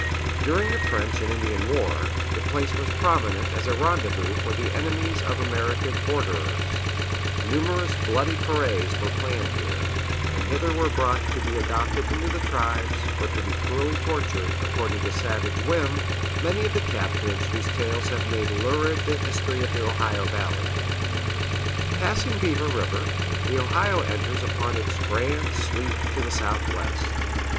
During the French and Indian War, the place was prominent as a rendezvous for the enemies of American borderers; numerous bloody forays were planned here, and hither were brought to be adopted into the tribes, or to be cruelly tortured, according to savage whim, many of the captives whose tales have made lurid the history of the Ohio Valley. Passing Beaver River, the Ohio enters upon its grand sweep to the southwest.